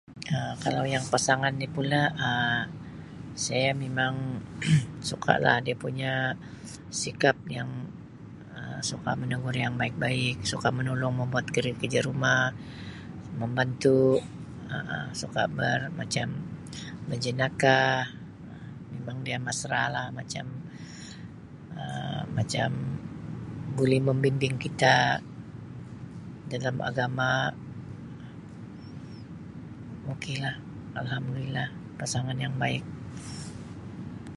Um Kalau yang pasangan ni pulak, Um saya mimang suka la dia punya sikap yang Um suka menegur yang baik-baik, suka menolong membuat kerja-kerja rumah, membantu Um suka ber- macam berjenaka. Um Mimang dia mesra la macam Um macam bulih membimbing kita dalam agama. Ok lah, alhamdulillah. Pasangan yang baik.